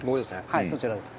はいそちらです。